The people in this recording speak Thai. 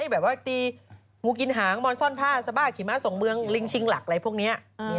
แบบว่าตีงูกินหางมอนซ่อนผ้าสบายขี่ม้าส่งเมืองลิงชิงหลักอะไรพวกนี้